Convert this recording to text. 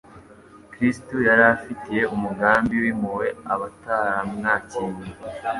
Kristo yari afitiye umugambi w'impuhwe abataramwakiriye.